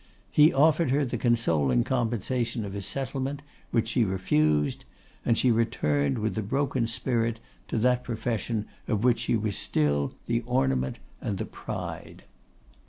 He offered her the consoling compensation of a settlement, which she refused; and she returned with a broken spirit to that profession of which she was still the ornament and the pride.